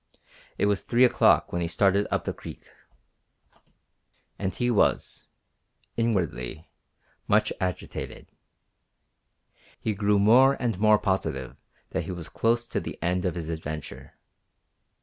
It was three o'clock when he started up the creek, and he was inwardly much agitated. He grew more and more positive that he was close to the end of his adventure.